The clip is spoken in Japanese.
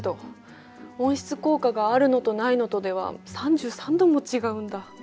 温室効果があるのとないのとでは３３℃も違うんだ。